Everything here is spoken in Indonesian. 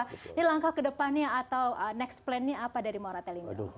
ini langkah kedepannya atau next plan nya apa dari moratel indonesia